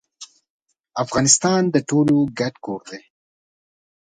افغانستان د ټولو ګډ کور دي.